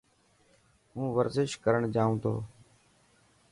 هون ورزش ڪرڻ جائون تو.